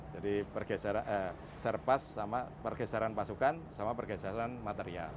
jadi serpas sama pergeseran pasukan sama pergeseran material